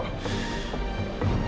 gini kak aku tau